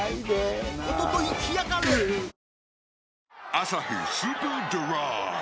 「アサヒスーパードライ」